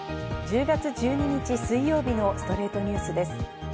１０月１２日、水曜日の『ストレイトニュース』です。